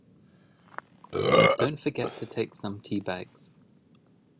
Don't forget to take some tea bags!